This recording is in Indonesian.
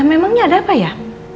emangnya ada apa ya